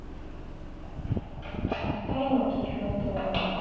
お二人の棋風というのは。